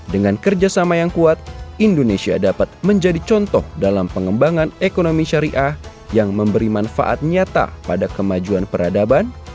dengan kerjasama yang kuat indonesia dapat menjadi contoh dalam pengembangan ekonomi syariah yang memberi manfaat nyata pada kemajuan peradaban